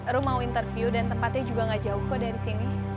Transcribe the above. ru mau interview dan tempatnya juga gak jauh kok dari sini